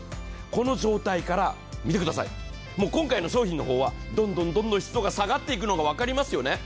この状態から、今回の商品の方はどんどん湿度が下がっていくのが分かりますよね。